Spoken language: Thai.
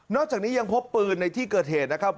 จากนี้ยังพบปืนในที่เกิดเหตุนะครับ